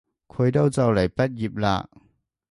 佢都就嚟畢業喇